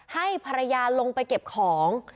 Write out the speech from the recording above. ให้ภรรยาลงไปเก็บของ